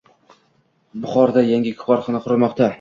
Buxoroda yangi korxona qurilmoqda